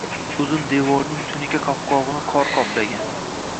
Uzun devorning tunuka qalpog‘ini qor qoplagan.